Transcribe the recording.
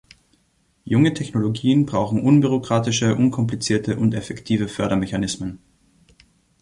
Junge Technologien brauchen unbürokratische, unkomplizierte und effektive Fördermechanismen.